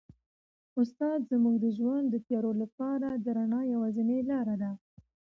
استاد زموږ د ژوند د تیارو لپاره د رڼا یوازینۍ لاره ده.